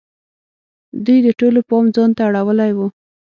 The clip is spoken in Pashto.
دوی د ټولو پام ځان ته اړولی وو.